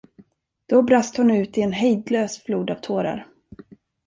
Då brast hon ut i en hejdlös flod av tårar.